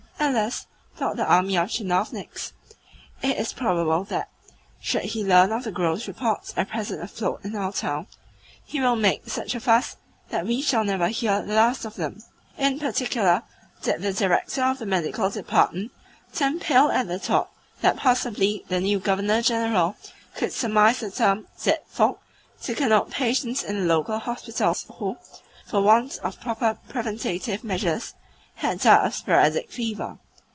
"Alas," thought the army of tchinovniks, "it is probable that, should he learn of the gross reports at present afloat in our town, he will make such a fuss that we shall never hear the last of them." In particular did the Director of the Medical Department turn pale at the thought that possibly the new Governor General would surmise the term "dead folk" to connote patients in the local hospitals who, for want of proper preventative measures, had died of sporadic fever.